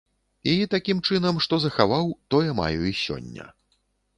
І, такім чынам, што захаваў, тое маю і сёння.